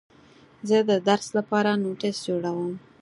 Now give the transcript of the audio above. زه د درس لپاره نوټس جوړوم.